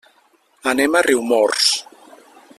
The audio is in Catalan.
Anem a Riumors.